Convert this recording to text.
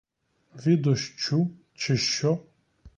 Від дощу, чи що?